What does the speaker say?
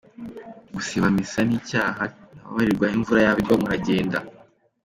Gusiba misa ni icyaha ntababarirwa, imvura yaba igwa muragenda.